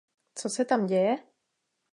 Co se tam děje?